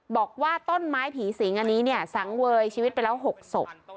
บอกว่าต้นไม้ผีสิงอันนี้เนี่ยสังเวยชีวิตไปแล้ว๖ศพ